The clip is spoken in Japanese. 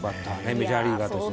メジャーリーガーとしても。